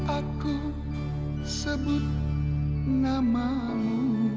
aku sebut namamu